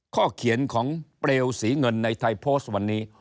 ข้อเขียนของเปลวสีเงินในไทยโพสต์วันนี้